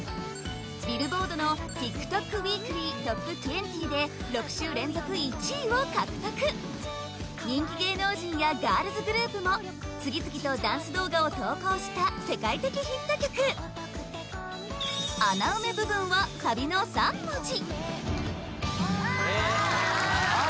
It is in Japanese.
ＢｉｌｌｂｏａｒｄのＴｉｋＴｏｋＷｅｅｋｌｙＴｏｐ２０で６週連続１位を獲得人気芸能人やガールズグループも次々とダンス動画を投稿した世界的ヒット曲あっ・ああ